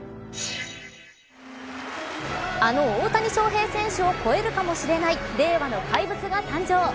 あの大谷翔平選手を超えるかもしれない令和の怪物が誕生。